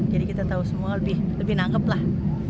jadi kita tahu semua lebih nanggep lah